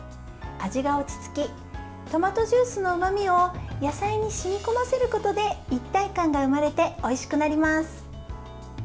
味が落ち着きトマトジュースのうまみを野菜にしみ込ませることで一体感が生まれておいしくなります。